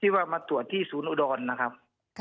ว่ามาตรวจที่ศูนย์อุดรนะครับ